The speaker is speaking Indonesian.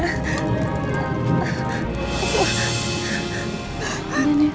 semoga dia bisa selamat